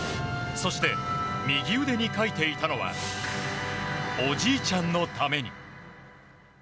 そして、右腕に書いていたのは「おじいちゃんの為に」。